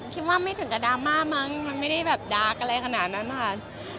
คิดว่าไม่ถึงกับดราม่ามั้งมันไม่ได้แบบดาร์กอะไรขนาดนั้นนะคะ